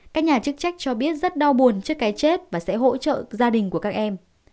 các nhà chức trách cho biết rất đau buồn trước cái chết và sẽ hỗ trợ gia đình của các em